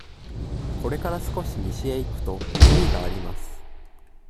ここから少し西へ行くと、海があります。